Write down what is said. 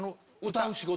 歌う仕事？